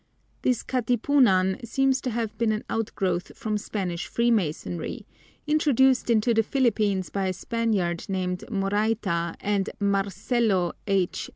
This Katipunan seems to have been an outgrowth from Spanish freemasonry, introduced into the Philippines by a Spaniard named Morayta and Marcelo H.